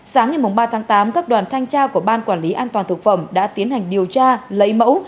sáng ngày ba tháng tám các đoàn thanh tra của ban quản lý an toàn thực phẩm đã tiến hành điều tra lấy mẫu